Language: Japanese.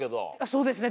そうですね。